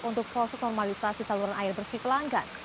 untuk proses normalisasi saluran air bersih pelanggan